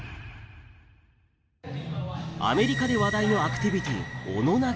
アメリカで話題のアクティビティー、おの投げ。